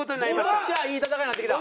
よっしゃいい戦いになってきた。